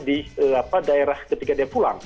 di daerah ketika dia pulang